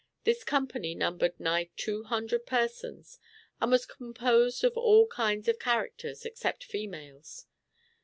This company numbered nigh two hundred persons, and was composed of all kinds of characters, except females.